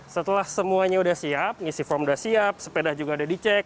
setelah semuanya sudah siap ngisi form sudah siap sepeda juga sudah dicek